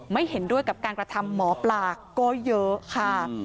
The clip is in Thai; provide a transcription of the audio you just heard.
เห็นด้วยกับการกระทำหมอปลาก็เยอะค่ะ